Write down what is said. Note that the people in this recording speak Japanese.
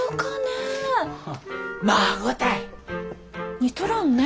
似とらんね。